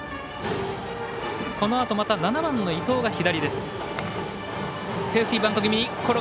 このあとまた７番の伊藤が左です。